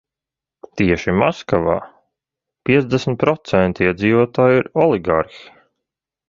Tieši Maskavā piecdesmit procenti iedzīvotāju ir oligarhi.